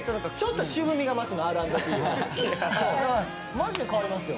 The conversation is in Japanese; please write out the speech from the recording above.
マジで変わりますよ。